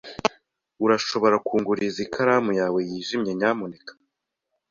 Urashobora kunguriza ikaramu yawe yijimye, nyamuneka?